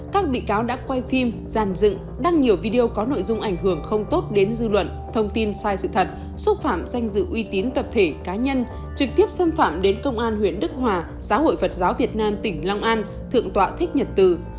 các bị cáo đã quay phim giàn dựng đăng nhiều video có nội dung ảnh hưởng không tốt đến dư luận thông tin sai sự thật xúc phạm danh dự uy tín tập thể cá nhân trực tiếp xâm phạm đến công an huyện đức hòa giáo hội phật giáo việt nam tỉnh long an thượng tọa thích nhật từ